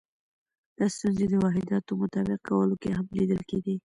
دا ستونزې د واحداتو مطابق کولو کې هم لیدل کېدې.